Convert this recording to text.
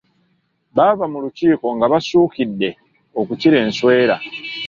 Baava mu lukiiko nga basuukidde okukira enswera.